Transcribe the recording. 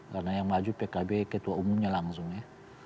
karena yang maju pkb ketua umumnya langsung ya